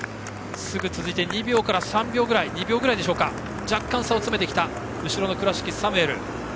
すぐ続いて２秒ぐらいでしょうか若干、差を詰めてきた後ろの倉敷、サムエル。